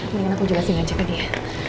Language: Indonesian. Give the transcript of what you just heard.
mendingan aku juga singan cepet dia